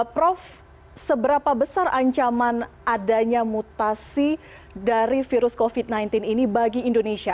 prof seberapa besar ancaman adanya mutasi dari virus covid sembilan belas ini bagi indonesia